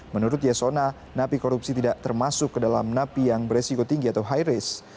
menurut yasona napi korupsi tidak termasuk ke dalam napi yang beresiko tinggi atau high risk